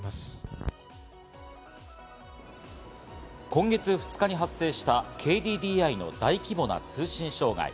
今月２日に発生したＫＤＤＩの大規模な通信障害。